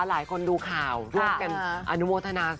หลายคนดูข่าวร่วมกันอนุโมทนา